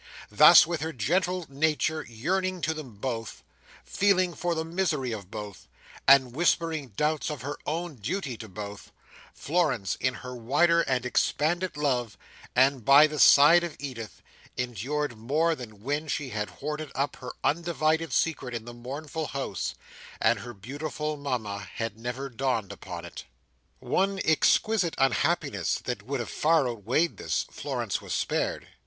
Thus, with her gentle nature yearning to them both, feeling for the misery of both, and whispering doubts of her own duty to both, Florence in her wider and expanded love, and by the side of Edith, endured more than when she had hoarded up her undivided secret in the mournful house, and her beautiful Mama had never dawned upon it. One exquisite unhappiness that would have far outweighed this, Florence was spared.